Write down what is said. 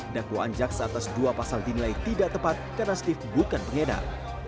dakwaan jaksa atas dua pasal dinilai tidak tepat karena steve bukan pengedar